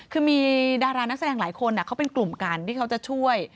คือมีดารานักแสดงหลายคนเขาเป็นกลุ่มกันที่เขาจะช่วย